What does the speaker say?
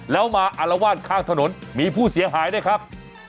แล้วมาอารวาสข้างถนนมีผู้เสียหายด้วยครับ